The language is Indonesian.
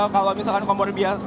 kalau misalkan kompor biasa